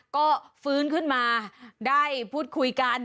ก็ฟื้นขึ้นมาได้พูดคุยกัน